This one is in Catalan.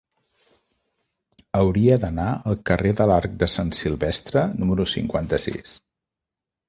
Hauria d'anar al carrer de l'Arc de Sant Silvestre número cinquanta-sis.